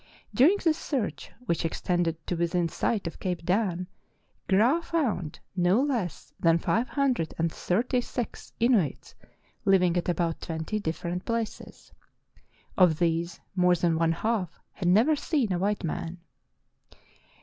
During this search, which extended to within sight of Cape Dan, Graah found no less than five hundred and thirty six Inuits living at about twenty different places. Of these more than one half had never seen a white man.